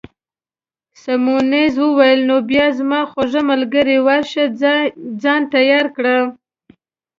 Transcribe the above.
سیمونز وویل: نو بیا زما خوږ ملګرې، ورشه ځان تیار کړه.